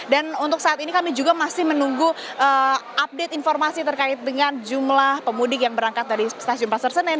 dan untuk saat ini kami juga masih menunggu update informasi terkait dengan jumlah pemudik yang berangkat dari stasiun pasar senen